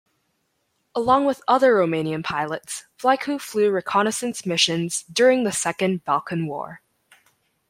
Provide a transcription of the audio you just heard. Along with other Romanian pilots, Vlaicu flew reconnaissance missions during the Second Balkan War.